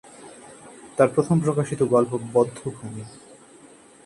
তার প্রথম প্রকাশিত গল্প 'বধ্যভূমি'।